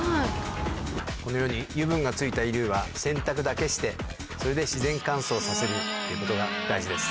このように油分がついた衣類は、洗濯だけして、それで自然乾燥させるっていうことが大事です。